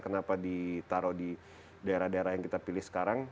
kenapa ditaruh di daerah daerah yang kita pilih sekarang